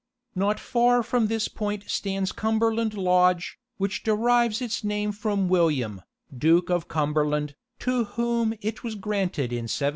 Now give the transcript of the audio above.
Not far from this point stands Cumberland Lodge, which derives its name from William, Duke of Cumberland, to whom it was granted in 1744.